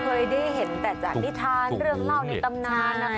เคยได้เห็นแต่จากนิทานเรื่องเล่าในตำนานนะคะ